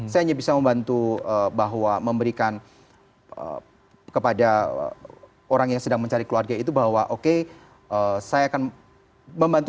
saya hanya bisa membantu bahwa memberikan kepada orang yang sedang mencari keluarga itu bahwa oke saya akan membantu